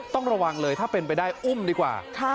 ต้องระวังเลยถ้าเป็นไปได้อุ้มดีกว่า